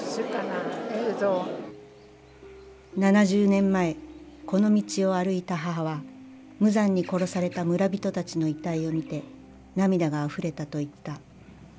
７０年前この道を歩いた母は無残に殺された村人たちの遺体を見て涙があふれたと言った。